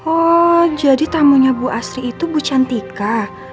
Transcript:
oh jadi tamunya bu asri itu bu cantika